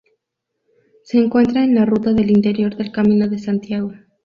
Se encuentra en la ruta del interior del Camino de Santiago.